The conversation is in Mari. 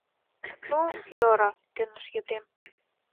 — Ну, йӧра, — кӧныш Епрем.